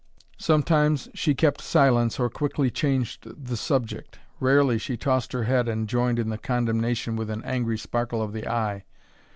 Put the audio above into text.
Sometimes she kept silence or quickly changed the subject. Rarely she tossed her head and joined in the condemnation with an angry sparkle of the eye.